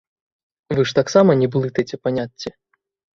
Вы ж таксама не блытайце паняцці.